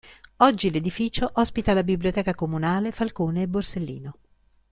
Oggi l’edificio ospita la Biblioteca Comunale "Falcone e Borsellino".